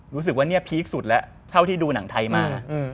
รู้สึกว่าเนี่ยพีคสุดแล้วเท่าที่ดูหนังไทยมา